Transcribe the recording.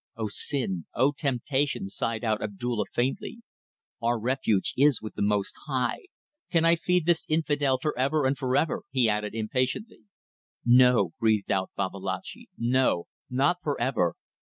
"O Sin! O Temptation!" sighed out Abdulla, faintly. "Our refuge is with the Most High. Can I feed this infidel for ever and for ever?" he added, impatiently. "No," breathed out Babalatchi. "No! Not for ever.